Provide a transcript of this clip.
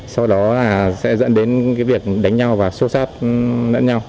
sau đó là sẽ dẫn đến cái việc đánh nhau và xô xát nhau